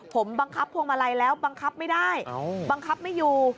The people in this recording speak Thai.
ผมบังคับพวงมาลัยแล้วบังคับไม่ได้บังคับไม่อยู่